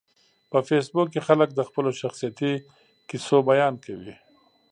په فېسبوک کې خلک د خپلو شخصیتي کیسو بیان کوي